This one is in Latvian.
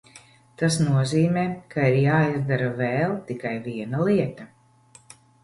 Tas nozīmē, ka ir jāizdara vēl tikai viena lieta.